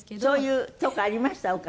そういうとこありました？